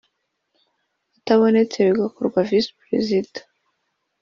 Atabonetse bigakorwa visi perezida